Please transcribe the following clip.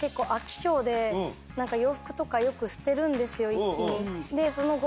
一気に。